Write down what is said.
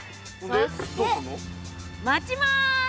そして待ちます。